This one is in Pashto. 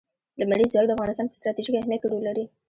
لمریز ځواک د افغانستان په ستراتیژیک اهمیت کې رول لري.